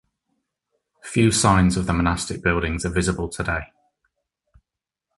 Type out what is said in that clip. Few signs of the monastic buildings are visible today.